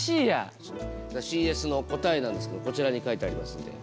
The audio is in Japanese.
さあＣＳの答えなんですけどこちらに書いてありますんで。